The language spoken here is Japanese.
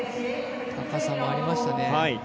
高さもありましたね。